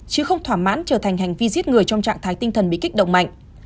chứ không thỏa mãn trở thành hành vi giết người trong trạng thái tinh thần bị kích động mạnh